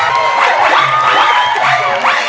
ออกมาได้นะครับวิว